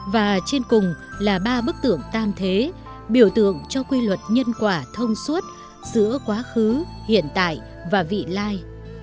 và trên cùng là ba bức tượng tam thế biểu tượng cho quy luật nhân quả thông suốt giữa quá khứ hiện tại và vị lai